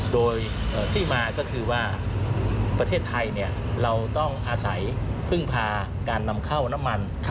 โดยที่มาก็คือว่าประเทศไทยเราต้องอาศัยพึ่งพาการนำเข้าน้ำมัน